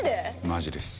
マジです。